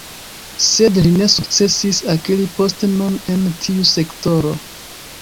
Sed li ne sukcesis akiri postenon en tiu sektoro.